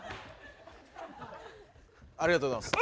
ありがとうございます。